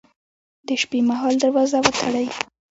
د شپې مهال دروازه وتړئ